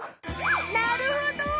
なるほど！